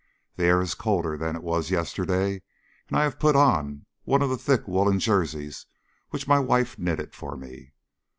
The air is colder than it was yesterday, and I have put on one of the thick woollen jerseys which my wife knitted for me.